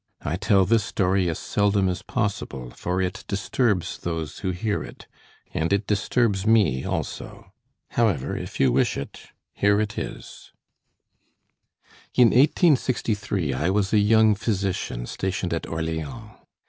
I tell this story as seldom as possible, for it disturbs those who hear it, and it disturbs me also. However, if you wish it, here it is: "In 1863 I was a young physician stationed at Orléans.